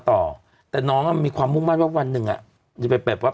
ต่อแต่น้องอ่ะมีความมุ่งมั่นว่าวันหนึ่งอ่ะจะไปแบบว่า